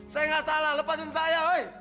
saya gak salah lepasin saya woy